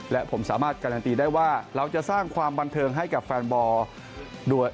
และผมสามารถการันตีได้ว่าเราจะสร้างความบันเทิงให้กับแฟนบอลด้วย